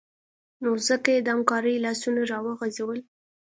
نو ځکه یې د همکارۍ لاسونه راوغځول